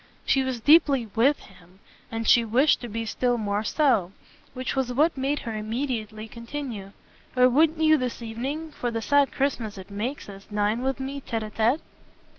she was deeply "with" him, and she wished to be still more so: which was what made her immediately continue. "Or wouldn't you this evening, for the sad Christmas it makes us, dine with me tete a tete?"